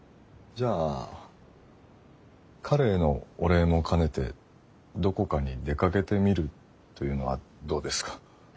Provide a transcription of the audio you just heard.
じゃあ彼へのお礼も兼ねてどこかに出かけてみるというのはどうですか？